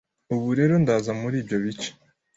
Ubu rero ndaza muri ibyo bice.